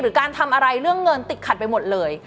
การทำอะไรเรื่องเงินติดขัดไปหมดเลย